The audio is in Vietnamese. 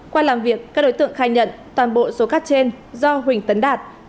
qua làm việc các đối tượng khai nhận toàn bộ số cát trên do huỳnh tấn đạt